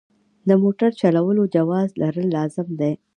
د موټر چلولو جواز لرل لازم دي.